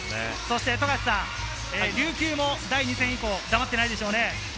そして琉球も第２戦以降、黙っていないでしょうね。